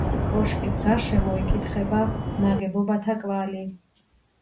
კოშკის გარშემო იკითხება ნაგებობათა კვალი.